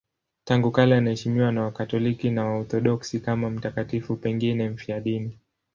Tangu kale anaheshimiwa na Wakatoliki na Waorthodoksi kama mtakatifu, pengine mfiadini.